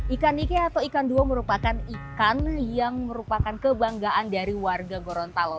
ikan ike atau ikan dua merupakan ikan yang merupakan kebanggaan dari warga gorontalo